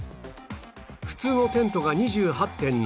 普通のテントが ２８．７ 度